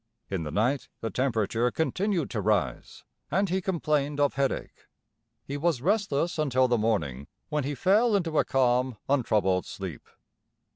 In the night the temperature continued to rise, and he complained of headache. He was restless until the morning, "when he fell into a calm, untroubled sleep."